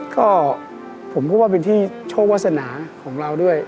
ก็ผมพูดว่าเป็นที่โชควาสนาของเราด้วย